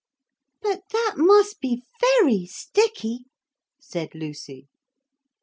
'But that must be very sticky,' said Lucy.